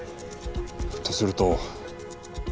とすると。